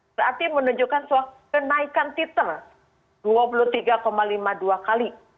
berarti menunjukkan kenaikan titer dua puluh tiga lima puluh dua kali